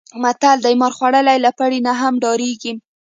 متل دی: مار خوړلی له پړي نه هم ډارېږي.